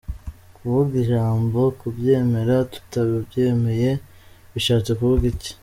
Kuvuga ijambo, kubyemera tutabyemeye, bishatse kuvuga iki?